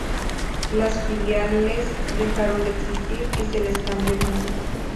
Las filiales dejaron de existir y se les cambió el nombre.